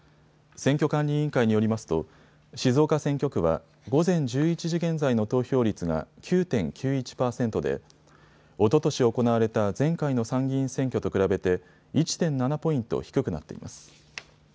選挙管理委員会によりますと静岡選挙区は午前１１時現在の投票率が９．９１％でおととし行われた前回の参議院選挙と比べて１．７ポイント低くなっています。